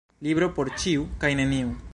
Libro por ĉiu kaj neniu.